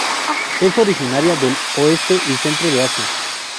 Es originaria del oeste y centro de Asia.